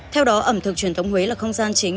theo đó ẩm thực truyền thống huế là không gian chính